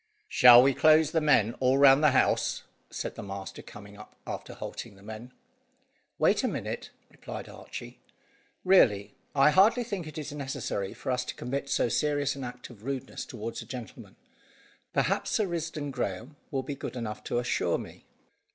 "Shall we close the men all round the house?" said the master, coming up after halting the men. "Wait a minute," replied Archy. "Really, I hardly think it is necessary for us to commit so serious an act of rudeness towards a gentleman. Perhaps Sir Risdon Graeme will be good enough to assure me."